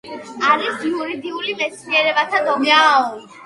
არის იურიდიულ მეცნიერებათა დოქტორი.